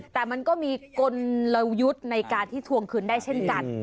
แต่มันก็มีกลยุทธ์ในการที่ทวงคืนได้เช่นกัน